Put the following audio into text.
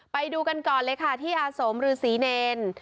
ไปดูกันก่อนเลยค่ะที่อาสมฤษีเนร